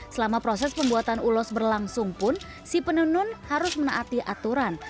selama proses pembuatan ulos berlangsung pun si penenun harus menaati aturan